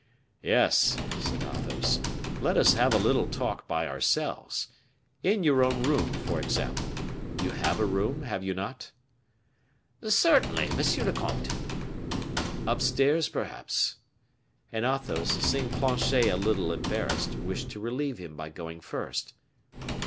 "Yes," said Athos, "let us have a little talk by ourselves in your own room, for example. You have a room, have you not?" "Certainly, monsieur le comte." "Upstairs, perhaps?" And Athos, seeing Planchet a little embarrassed, wished to relieve him by going first.